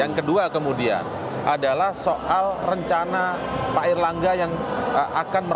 yang kedua kemudian adalah soal rencana pak erlangga yang akan berhasil